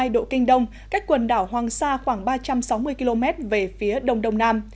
một trăm một mươi năm hai độ kinh đông cách quần đảo hoàng sa khoảng ba trăm sáu mươi km về phía đông đông nam